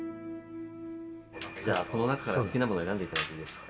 じゃあこの中から好きなものを選んで頂いていいですか？